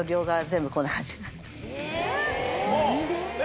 え！